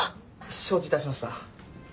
承知致しました。